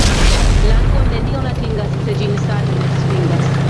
Lango nenion atingas, se ĝin saĝo ne svingas.